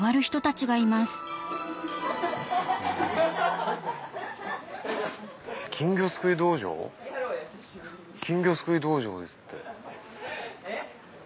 ・ハハハ・金魚すくい道場ですって。